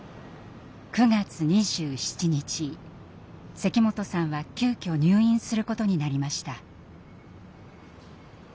関本さんは急きょ入院することになりました。